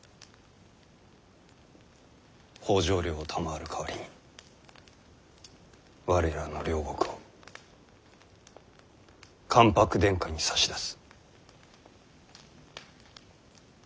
北条領を賜る代わりに我らの領国を関白殿下に差し出す。